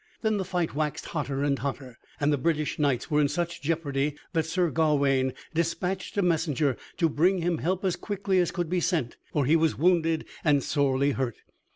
Then the fight waxed hotter and hotter, and the British knights were in such jeopardy that Sir Gawaine dispatched a messenger to bring him help as quickly as it could be sent, for he was wounded and sorely hurt.